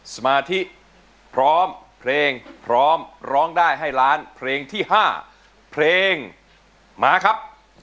สมาธิพร้อมเพลงพร้อมร้องได้ให้ล้านเพลงที่๕เพลงมาครับ